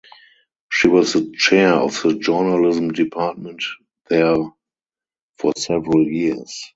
She was the chair of the journalism department there for several years.